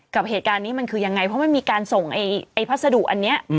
กับเหตุการณ์นี้มันคือยังไงเพราะมันมีการส่งไอ้พัสดุอันนี้